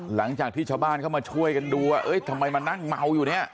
หลังจากที่ชาวบ้านเข้ามาช่วยกันดูว่าทำไมมานั่งเมาอยู่เนี่ย